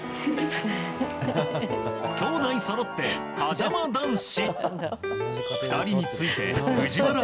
兄弟そろってパジャマ男子！